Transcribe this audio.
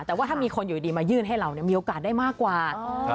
แต่ว่าถ้ามีคนอยู่ดีมายื่นให้เรามีโอกาสได้มากกว่า